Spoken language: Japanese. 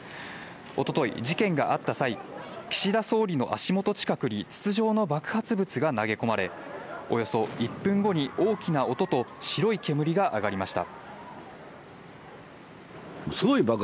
一昨日、事件があった際、岸田総理の足元近くに筒状の爆発物が投げ込まれ、およそ１分後に大きな音と白い煙が上がりました。